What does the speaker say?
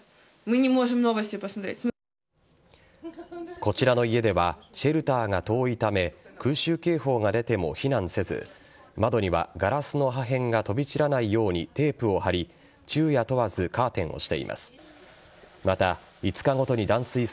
こちらの家では、シェルターが遠いため、空襲警報が出ても避難せず、窓にはガラスの破片が飛び散らないようにテープを貼り、昼夜問わずカーテンをしています。